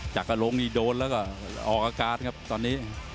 จากกระโลกโดนแล้วก็ออกอากาศครับตอนนี้